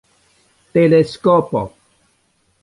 teleskopo